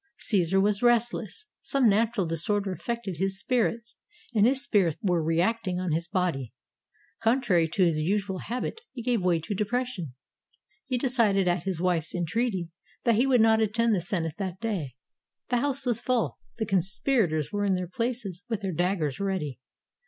Caesar was restless. Some natural disorder affected his spirits, and his spirits were reacting on his body. Contrary to his usual habit, he gave way to depression. He decided, at his wife's entreaty, that he would not attend the Sen ate that day. The house was full. The conspirators were in their places with their daggers ready.